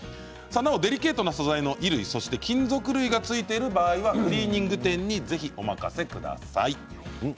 デリケートな素材の衣類金属類がついている場合はクリーニング店にぜひお任せください。